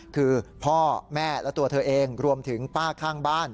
คือพ่อแม่และตัวเธอเองรวมถึงป้าข้างบ้าน